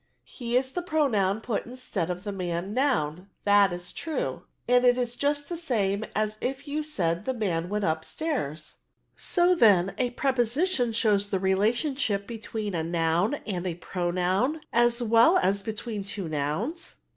'^ He is the pronoun put instead of the noun man, that is true/' " And it is just the same as if you said, ' the man went up stairs/" " So, then, a preposition shows the rela tion between a noun and a pronoun, as well as between two nouns